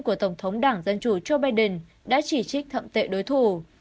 của tổng thống đảng dân chủ joe biden đã chỉ trích thậm tệ đối thủ